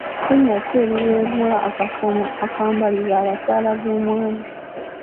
Linnya ki eriweebwa akakomo akambalibwa abakyala b'omwami?